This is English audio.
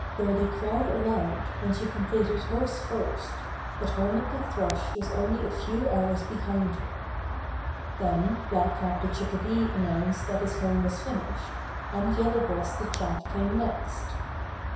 Goldy crowed aloud when she completed hers first, but Hermit the Thrush was only a few hours behind her. Then Black Cap the Chickadee announced that his home was finished, and Yellow Breast the Chat came next.